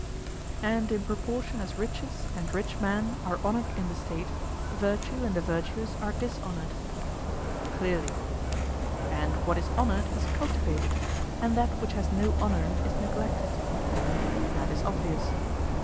And in proportion as riches and rich men are honoured in the State, virtue and the virtuous are dishonoured. Clearly. And what is honoured is cultivated, and that which has no honour is neglected. That is obvious.